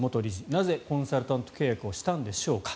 なぜ、コンサルタント契約をしたんでしょうか。